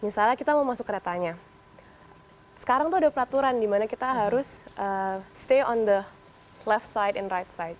misalnya kita mau masuk keretanya sekarang tuh ada peraturan dimana kita harus stay on the life side in right side